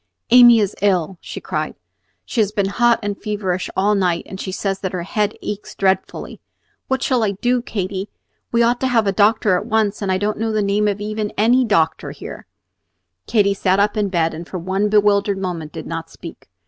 "Amy is ill," she cried. "She has been hot and feverish all night, and she says that her head aches dreadfully. What shall I do, Katy? We ought to have a doctor at once, and I don't know the name even of any doctor here." Katy sat up in bed, and for one bewildered moment did not speak.